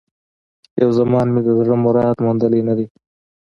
یو زمان مي د زړه مراد موندلی نه دی